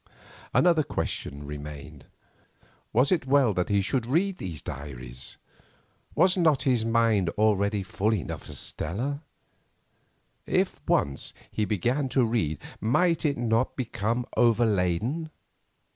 Another question remained. Was it well that he should read these diaries? Was not his mind already full enough of Stella? If once he began to read, might it not be overladen?